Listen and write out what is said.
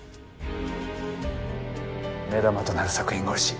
目玉となる作品が欲しい。